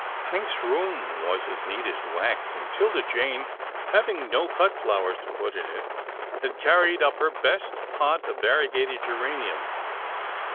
Hank's room was as neat as wax, and 'Tilda Jane having no cut flowers to put in it, had carried up her best pot of variegated geranium.